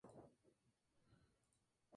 Es el propietario de Salieri Productions.